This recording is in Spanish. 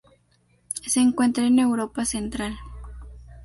Se encuentra en Europa Central.